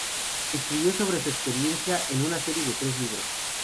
Escribió sobre su experiencia en una serie de tres libros.